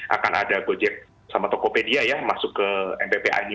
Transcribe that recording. akan ada gojek sama tokopedia ya masuk ke mppa ini